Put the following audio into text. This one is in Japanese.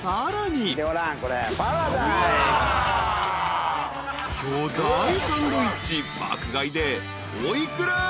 ［巨大サンドイッチ爆買いでお幾ら？］